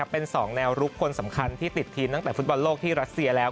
เป็น๒แนวลุกคนสำคัญที่ติดทีมตั้งแต่ฟุตบอลโลกที่รัสเซียแล้ว